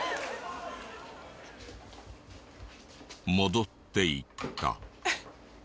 戻っていった。